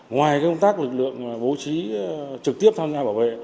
ngoài công tác lực lượng bố trí trực tiếp tham gia bảo vệ